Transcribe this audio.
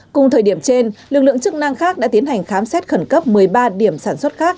cùng thời điểm trên lực lượng chức năng khác đã tiến hành khám xét khẩn cấp một mươi ba điểm sản xuất khác